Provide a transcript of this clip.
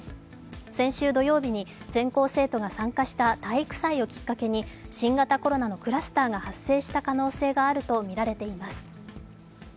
先週土曜日に全校生徒が参加した体育祭をきっかけに新型コロナのクラスターが発生した可能性があるとみられています。